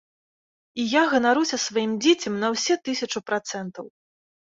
І я ганаруся сваім дзіцем на ўсе тысячу працэнтаў!